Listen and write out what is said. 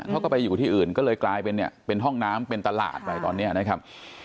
เขาก็ไปอยู่ที่อื่นก็เลยกลายเป็นเนี่ยเป็นห้องน้ำเป็นตลาดไปตอนนี้นะครับ